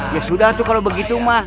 ya sudah tuh kalau begitu mah